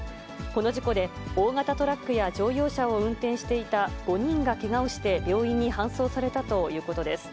この事故で大型トラックや乗用車を運転していた５人がけがをして病院に搬送されたということです。